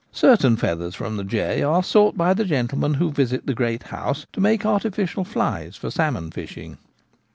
Certain feathers from the jay are sought by the gentlemen who visit the great house, to make arti ficial flies for salmon fishing.